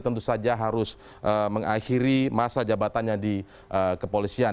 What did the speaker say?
tentu saja harus mengakhiri masa jabatannya di kepolisian